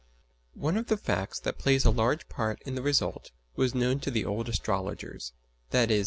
] One of the facts that plays a large part in the result was known to the old astrologers, viz.